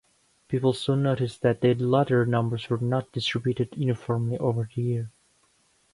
People soon noticed that the lottery numbers were not distributed uniformly over the year.